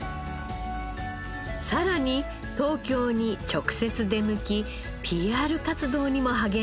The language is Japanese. さらに東京に直接出向きＰＲ活動にも励んだのです。